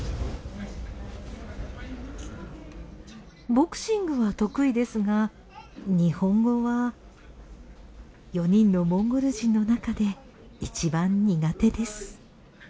ボクシングは得意ですが日本語は４人のモンゴル人の中で一番苦手です。